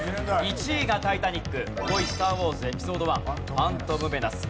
１位が『タイタニック。』５位『スター・ウォーズエピソード１ファントム・メナス』。